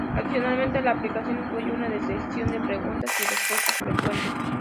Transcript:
Adicionalmente, la aplicación incluye una sección de preguntas y respuestas frecuentes.